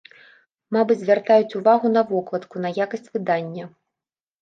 Мабыць, звяртаюць увагу на вокладку, на якасць выдання.